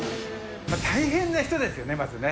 大変な人ですよね、まずね。